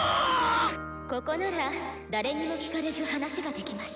「ここなら誰にも聞かれず話ができます」。